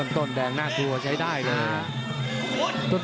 ต้นแดงหน้าทัวร์ใช้ได้เลยนะ